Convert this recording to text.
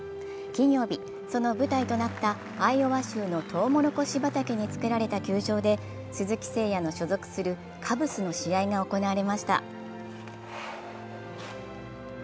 金曜日、その舞台となったアイオワ州のとうもろこし畑に作られた球場で鈴木誠也の所属するカブスの試合が行われました。